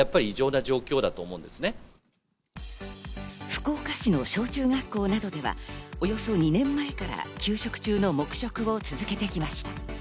福岡市の小中学校などではおよそ２年前から給食中の黙食を続けてきました。